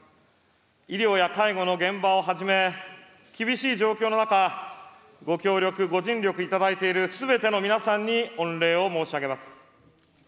医療や介護の現場をはじめ、厳しい状況の中、ご協力、ご尽力いただいているすべての皆さんに御礼を申し上げます。